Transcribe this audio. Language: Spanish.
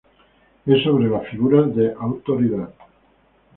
Es sobre las figuras de autoridad.